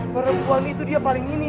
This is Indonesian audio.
perempuan itu dia paling ini